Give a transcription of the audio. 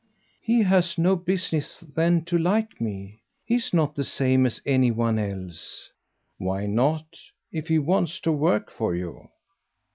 "He has no business then to like me. He's not the same as any one else." "Why not, if he wants to work for you?"